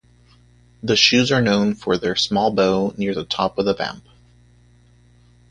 The shoes are known for their small bow near the top of the vamp.